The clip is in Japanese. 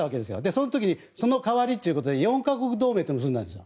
その時、その代わりということで４か国同盟を結んだんです。